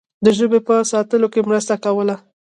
د ژبې په ساتلو کې مرسته کوله.